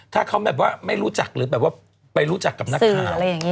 ถ้าเขาไม่รู้จักหรือไปรู้จักกับนักข่าว